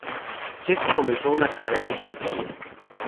Cheeks comenzó una carrera en solitario.